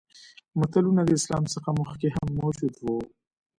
متلونه د اسلام څخه مخکې هم موجود وو